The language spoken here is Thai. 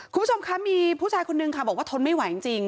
คุณผู้ชมคะมีผู้ชายคนนึงค่ะบอกว่าทนไม่ไหวจริง